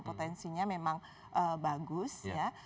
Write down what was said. potensinya memang bagus ya